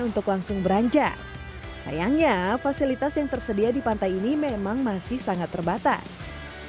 untuk langsung beranjak sayangnya fasilitas yang tersedia di pantai ini memang masih sangat terbatas